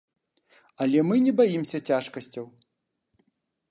Але мы не баімся цяжкасцяў.